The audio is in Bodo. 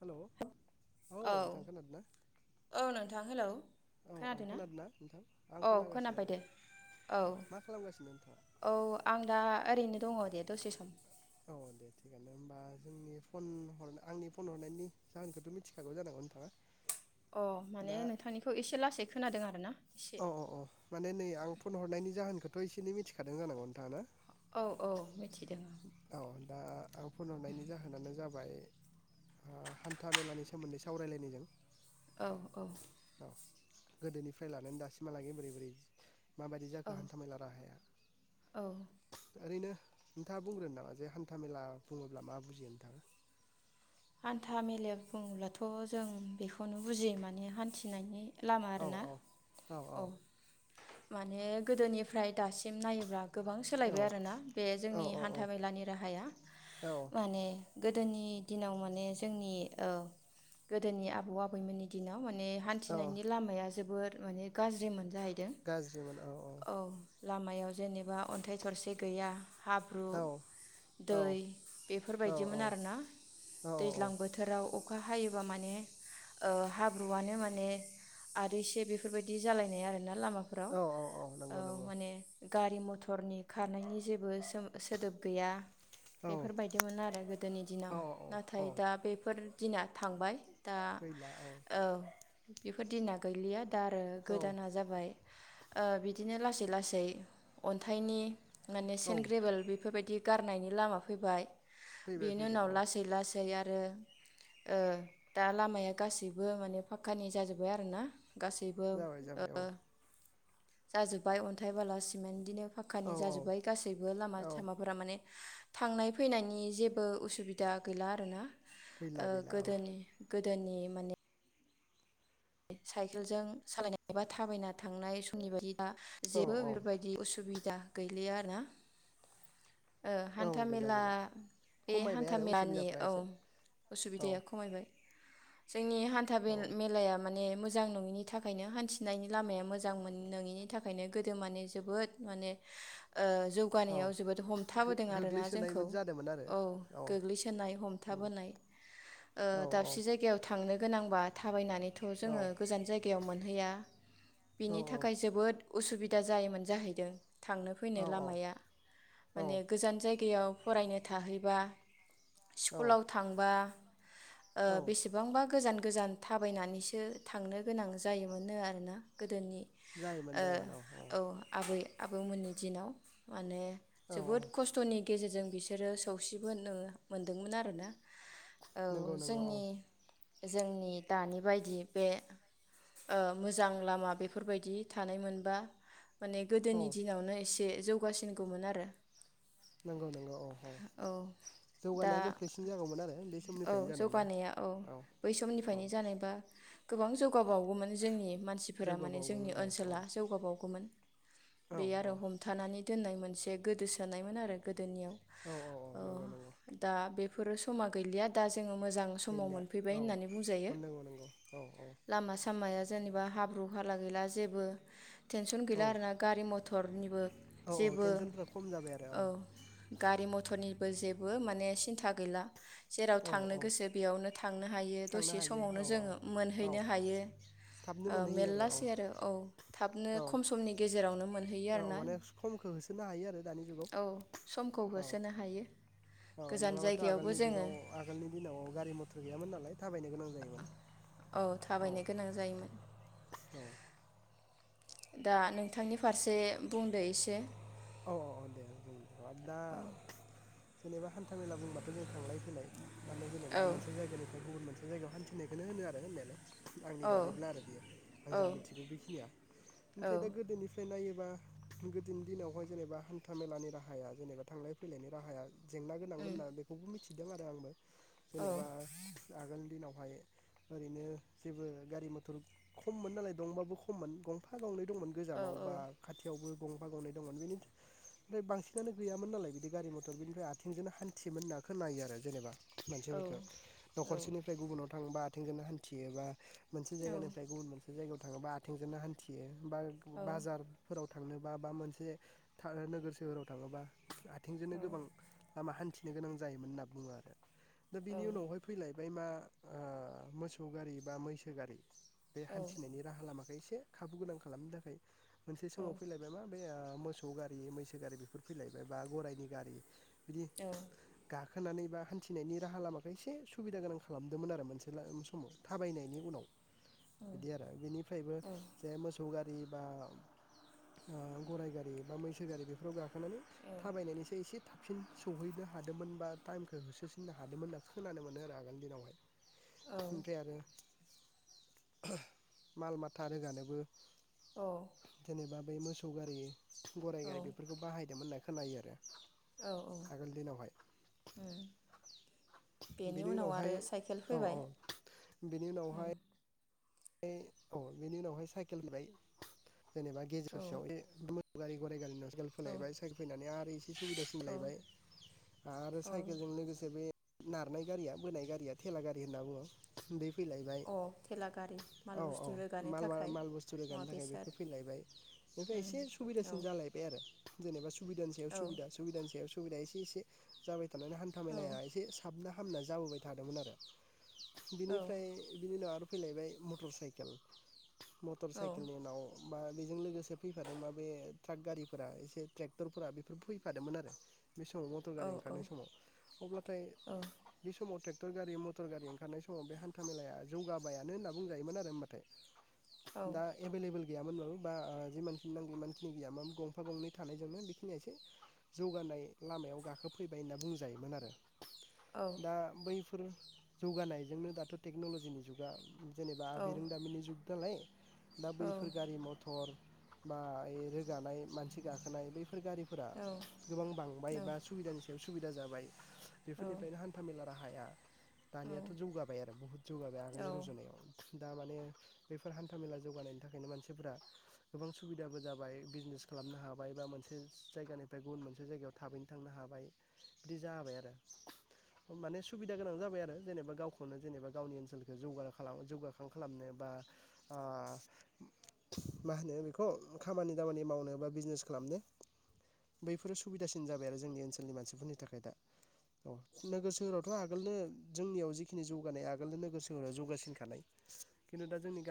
हेल' औ औ नोंथां खोनादों ना औ नोंथां हेलौ औ औ खोनादों ना? नोंथां आं औ खोनागासिनो खोनाबाय औ दे औ मा खालामगासिनो नोंथाङा औ आं दा ओरैनो दंङ। दे दसे सम औ दे थिगआनो होमबा जोंनि फन हर आंनि फन हरनायनि जाहोनखौथ' मिथिखागौ जानांगौ नोंथांङा अ माने नोंथांनिखौ एसे लासै खो खोनादों आर ना? अ अ अ माने नै आं फ'न हरनायनि जाहोनखौ थ' एसेनै मिथिखादों जानांगौ नोंथांङा ना? औ औ मिथिदों। औ दा आं फनहरनायनि जाहोनानो जाबाय ओ हान्था मेलानि सोमोन्दै सावरायलायनायजों औ औ गोदोनिफ्राय ला नानै दासिमहालागै बोरै बोरै माबायदि औ जाखो हान्था मेला राहाया औ ओरै नो नोंथांङा बुंग्रोनो नामा जे हान्था मेला बुंङोब्ला मा बुजियो नोंथांङा? हान्था मेले बुंङोब्लाथ' जों बेखौनो बुजियो माने हान्थिनायनि लामा औ आरो ना? औ औ माने गोदोनिफ्राय दासिम नायोब्ला गोबां सोलायबाय आरोना बे औ जोंनि हान्था मेलानि राहाया औ माने गोदोनि दिनाव माने जोंनि ओ गोदोनि आबौ आबैमोननि दिनाव मान ने औ हान्थिनायनि लामाया जोबोद माने गाज्रि मोनजाहै गाज्रि मोनान औ औ लामायाव जेनेबा अन्थाइ थरसे गैया हाब्रु औ औ दै औ बेफोरबायदिमोन आरोना औ दैज्लां बोथोराव अखा हायोबा माने ओ हाब्रुआनो माने आरो एसे बेफोरबाय दि जालायनाय आरो। ना लामाफोराव औ औ ओ नंगौ नंगौ माने गारि मथरनि खारनायनि जेबो सोम सोदोब गैया औ बेफोरबायदिमोन आरो गोदोनि दिनाव औ औ नाथाय दा बेफोर दिना थांबाय। दा गैला औ फोर दिना गैलिया दा आरो औ गोदाना जाबाय ओ बिदिनो लासै लासै अन्थाइनि माने औ सेन्ट ग्रेबोेल बेफोरबायदि गारनायनि लामा फैबाय। फैबाय बेनि फैबाय उनाव औ लासै लासै आ रो ओ दा लामाया गासैबो माने फाक्कानि जाजोब्बाय आरोना गासैबो बाय जाबाय औ जाजोब्बाय अन्थाइ बाला सिमेन्ट बिदिनो औ फाक्कानि औ जाजोब्बाय गासैबो लामा औ सामाफोरा माने थांनाय फैनायनि जेबो उसुबिदा गैला आरोना। गैला ओ गैला औ गोदोनि गोदोनि माने साइकेलजों सालायनायबा थाबायना थांनाय समनि बायदि दा औ जेबो औ बेफोरबायदि असुबिदा गैलिया ना ओ औ गैला हान्थामेला गैला बे खमायबाय हान्था आरो मेलानि उसुबिदाफ्रा औ एसे औ असुबिदाया खमायबाय जोंनि हान्था औ मिल मेलाया माने मोजां नंङिनि थाखायनो हान्थिनायनि लामाया मोजां मोन नंङिनि थाखायनो गोदो माने जोबोद माने ओ औ जौगानायाव जोबोद हमथाबोदों आरोना जोंखौ गोग्लैसोनायमोन जादोंमोन आरो औ गोग्लैसोनाय हमथाबोनाय ओ औ दाबसे जायगायाव थांनो गोनांबा थाबायनानै थ' औ जोंङो गायाव मोनहैया। औ बिनि थाखाय जोबोद उसुबिदा जायोमोन जाहैदों। थांनो फैनो औ लामाया औ माने गोजान जायगायाव फरायनो थाहैबा औ स्कुलाव थांबा ओ औ बेसेबांबा गोजान गोजान थाबायनानैसो थांनो गोनां जायोमोननो आरोना गोदोनि ओ औ आबै आबौमोननि दिनाव। माने औ जोबोद औ खस्थ'नि गेजेरजों बिसोरो सौसिबो मोनदोंमोन आरोना। औ नंगौ नंगौ औ जोंनि जोंनि दानि बायदि बे ओ मोजां लामा बेफोरबायदि थानाय मोनबा माने औ गोदोनि दिनावनो एसे जौगासिनगौमोन आरो। नंगौ नंगौ औ औ दा जौगानाया गोख्रैसिन जागौमोन आरो बे औ समनिफ्रायनो जानायमोनबा जौगानाया औ बै औ समनिफ्रायनो जानायबा गोबां जौ गा बावगौमोन जोंनि मानसिफोरा माने जोंनि जौगाबावगौमोन औ औ ओनसोला जौगाबावगौमोन। औ बे आरो हमथानानै दोननाय मोनसे बे गोदोसोनायमोन आरो गो दोनियाव। औ औ ओ नंगौ नंगौ दा बेफोर समा गैलिया दा जोङो मोजां समाव गैलिया मोनफैबाय औ होननानै बुंजायो। नंगौ नंगौ औ औ। माया जेनेबा हाब्रु हाला गैला जेबो टेनसन औ गैला आरोना गारि म टरनिबो औ जेबो टेनसनफ्रा खम जाबाय आरो औ गारि मटरनि बो जेबो माने सिन्था गैला। जेराव औ थांनो औ गोसो बेयावनो थांनो हायो थांनो दसे हायो समावनो औ औ जोङो। औ मोनहैनो हायो। थाबनो ओ मोनहैयो मेरलासै आरो औ थाबनो औ खम समनि गेजेरावनो मोनहैयो औ आरोना। माने समखौ होसोनो हायो आरो दानि जुगाव औ समखौ होसोनो हायो। अ गोजान नङाबाथ' जायगायावबो आगोलनि जोङो जुगाव आगोलनि दिनाव गारि मथर गैयामोन नालाय थाबायनो गोनां जायोमोन औ थाबायनो गोनां जायोमोन। औ दा नोंथांनि फारसे बुंदो एसे। औ औ औ दे बुंनो दा। जेनेबा हानथा मेला बुंबाथ' जों थांलाय फैलाय। मानोे जेनेबा औ मोनसे जायगानिफ्राय गुबुन मोनसे। जायगायाव हान्थिनायखौनो होनो आरो होननायालाय। आंनि औ बादिब्ला आरो बेयो आं औ जा मिथिगौ बेखिनिया औ औ ओमफ्राय दा गोदोनिफ्राय नायो बा गोदोनि दिनावहाय। जेनेबा हान्था मेलानि राहाया जेनेबा थांलाय फैलायनि राहाया। जेंना गोनांमोन ना बेखौबो मिथि। थिदों आरो आंबो। औ जेनेबा आगोलनि दिनाव। बेहाय ओरैनो जेबो गारि मथर खममोन नालाय दंबाबो खममोन गंफा गंनै। दंमोन औ गोजानाव बा खाथियावबो। गंफा गावनाय दंमोन बेनि। ओमफ्राय बांसिनानो गैयामोन नालाय बिदि गारि मथर बिनिफ्राय आथिंजोंनो हान्थियोन होनना खोननायो आरो जेनेबा। मानसिफोरखौ न'खरसेनिफ्राय गुबुनाव थाङोबा। थिंजोंनो हान्थियो। बा। मोनसे जायगानिफ्राय गुबुन मोनसे जायगायाव। थाङोबा आथिंजोंनो हान्थियो। औ बा-बाजारफोराव। थांनोबा बा मोनसे। था-नोगोर सोहोराव थाङोबा। आथिंजोंनो गोबां लामा हान्थि। नो गोनां जायोमोन होनना बुङो आरो। दा बिनि औ उनावहाय फैलायबाय मा। ओ मोसौ गारि बा मैसो गारि बे औ औ हान्थिनायनि राहा लामाखौ एसे खाबु गोनां खालामनो थाखाय। मोनसे औ समाव फैलायबाय मा बे ओ। मो सौ गारि मैसो गारि बेफोर फैलायबाय बा गराइनि गारि। बिदि औ गा खोनानै बा हान्थिनायनि राहा लामााख एसे सुबिदा गोनां खालामदोंमोन आरो मोनसे समाव थाबायनायनि उनाव। बिदि आरो बिनिफ्रायबो जे मोसौ गा बा ओ गराय गारि। बा मैसो गारि बेफोराव गा खोनानै थाबायनानैसो एसे थाब सिन सौहैनो हादोंमोन बा टाइमखौ होसोसिननो हादोंमोन होनना खोनानो मोनो आरो आगोलनि दिनावहाय। औ ओमफ्राय आरो माल माथा रोगानोबो औ जेनेबा बै मोसौ थगारि थु गाराय औ गारि बेफोरखौ बाहायदोंमोन होननानै खोनायो आरो औ औ आगोलनि दिनावहाय उम बेनि उनाव उनावहाय आरो साइकेल औ फैबाय औ बिनि उनावहाय उम ओमफ्राय औ बेनि उनावहाय साइकेल होनबाय जेनेबा गेजेर औ ससेयाव गारि गाराय गारि साइकेल औ फोलायबाय साइकेल फैनानै आरो एसे सुबिदासि औ जाबोलायबाय आरो औ साइकेलजों लोगोसे बे नारनाय गारिया बोनाय गारिया थेला गारि होनना बुङो बे अ थेला गारि माल औ औ बुस्थु रोगानो माल थाखाय माल बुस्थु रोगानो मुवा थाखाय बेसाद बेफोर फैलायबाय ओनिफ्राय उम एसे औ सुबिदासिन जालायबाय आरो जेनेबा सुबिदानि सायाव औ सुबिदा सुबिदानि सायाव सुबि सुबिदा एसे एसे जाबाय थ थाराने हान्था औ मेलाया एसे साबना हामना जाबोबाय थादोंमोन आरो औ बिनिफ्राय बिनि उनोाव आरो फैलायबाय मटर साइकेल मटर औ साइकेलनि उनाव बा बेजों लोगोसे फैफादों मा बे ट्राक गारिफोरा एसे ट्रेक्टरफोरा बेफोर फैफादोंमोन आरो बे समाव मटर औ गारि ओंखारनाय समाव अब्लाथाय औ बे समाव थे टक्टर गारि मटर गारि ओंखारनाय समाव बे हान्थ मेलाया जौगाबायानो होनना बुंजायोमोन आरो होनोमबाथाय औ दा एभेलेबेल गैयामोनबाबो बा जिमानखिनि नांगौ इमानखिनि गैयाम गंफा गंनै थानायजोंनो बेखिनिया एसे जौगानाय लामायाव गाखोफैबाय होनना बुंजायोमोन आरो। औ दा बै बेफोर जौगानायजोंनो दाथ' टेक्न'ल'जिनि जुगा जेनेबा बिरोंदामिनि जुग दालाय दा बैफोर गारि मथर बा रोगानाय मानसि गाखोनाय बे फोर गारिफोरा गोबां बांबाय एबा सुबिदानि सायाव सुबिदा जाबाय बेफोरनिफ्रायनो हान्थाामेला राहाया औ दानियाथ' जौगाबाय आरो बहुत जौगाबाय आगोलनि औ रुजुनायाव दा माने बेफोर हान्थामेला जौगानायनि थाखायनो मानसिफोरा गोबां सुबिदाबो जाबाय बिजनेस खालामनो हाबाय बा मोनसे जायगानिफ्राय गुबुन मोनसे जायगायाव थाबैनो थांनो हाबाय बिदि जाबाय आरो माने सुबिदा गोनां जाबाय आरो जेनेबा गावखौनो जेनेबा गावनि ओनसोलखखौ जौगाराख जौगाखां खालामनो बा मा होनो बेखौ खामानि दामानि मावनो बा बिजनेस खालामनो बैफोरो सुबिदासिन जाबाय आरो जोंनि ओनसोलनि मानसिफोरनि थाखाय दा औ नोगोर सोहोरावथ' आगोलनो जोंनियाव जिखिनि जौगानाय आगोलनो नोगोर सोहोराव जौगासिन खु दा जोंनि ग